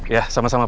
ya sama sama pak